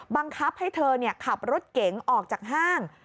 บังคับให้เธอขับรถเก๋งออกจากห้าง